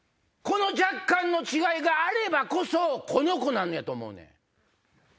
この若干の違いがあればこそこのコなんやと思うねん。